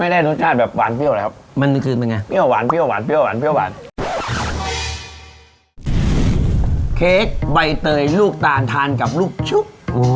ถึงต้องดังกะลู๊กครู๊ก